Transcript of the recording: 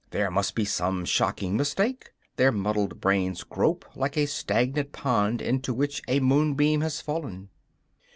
There must be some shocking mistake; their muddled brains grope like a stagnant pond into which a moonbeam has fallen.